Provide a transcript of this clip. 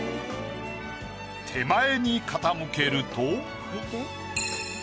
手前に傾けると。